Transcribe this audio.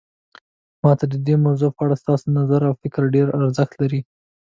ما ته د دې موضوع په اړه ستاسو نظر او فکر ډیر ارزښت لري